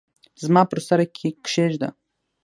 زما پر سر یې کښېږده !